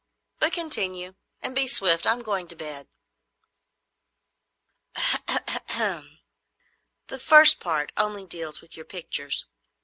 But continue, and be swift. I'm going to bed." "H'm! h'm! h'm! The first part only deals with your pictures.